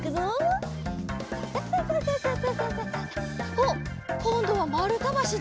おっこんどはまるたばしだ。